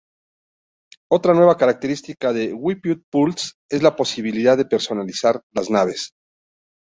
Otra nueva característica de "Wipeout Pulse" es la posibilidad de personalizar las naves.